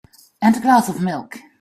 And a glass of milk.